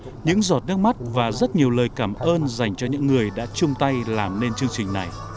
những giọt nước mắt và rất nhiều lời cảm ơn dành cho những người đã chung tay làm nên chương trình này